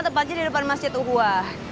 tepatnya di depan masjid uhuah